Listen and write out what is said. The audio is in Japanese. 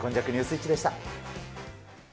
イッチでした。